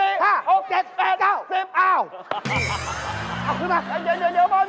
เอาขึ้นมาเดี๋ยวบอล